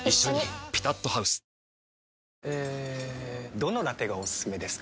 どのラテがおすすめですか？